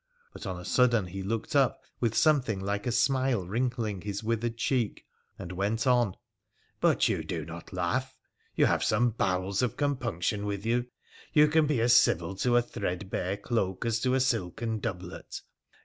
But on a sudden he looked up with something like a smile wrinkling his withered cheek, and went on :' But you do not laugh — you have some bowels of com punction within you — you can be as civil to a threadbare cloak as to a silken doublet.